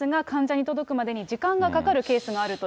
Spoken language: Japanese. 患者に届くまでに時間がかかるケースがあ